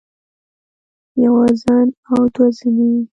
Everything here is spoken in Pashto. يوه زن او دوه زنې